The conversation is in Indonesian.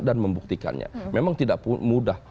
dan membuktikannya memang tidak mudah